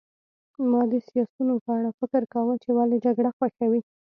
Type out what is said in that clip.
ما د سیاسیونو په اړه فکر کاوه چې ولې جګړه خوښوي